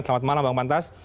selamat malam bang pantas